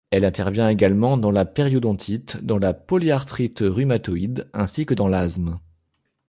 Elle intervient également dans la périodontite, dans la polyarthrite rhumatoïde ainsi que dans l'asthme.